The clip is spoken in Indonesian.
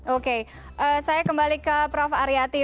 oke saya kembali ke prof aryati